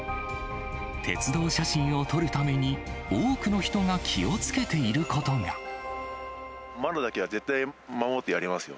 鉄道写真を撮るために多くのマナーだけは絶対守ってやりますよ。